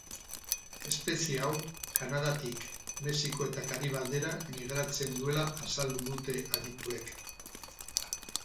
Espezie hau Kanadatik Mexiko eta Karibe aldera emigratzen duela azaldu dute adituek.